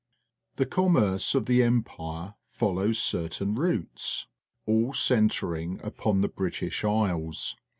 The commerce of the Empire follows certain routes, all centring upon the British Isles.